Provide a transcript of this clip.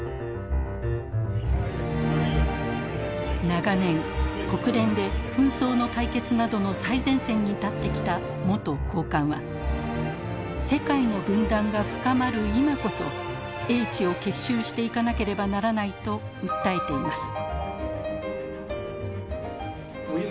長年国連で紛争の解決などの最前線に立ってきた元高官は世界の分断が深まる今こそ英知を結集していかなければならないと訴えています。